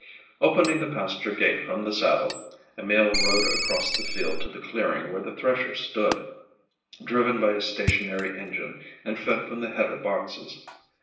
Opening the pasture gate from the saddle, Emil rode across the field to the clearing where the thresher stood, driven by a stationary engine and fed from the header boxes.